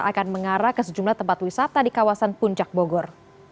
akan mengarah ke sejumlah tempat wisata di kawasan puncak bogor